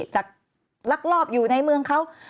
จากลักลอบอยู่ในเมืองเขา